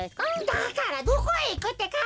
だからどこへいくってか。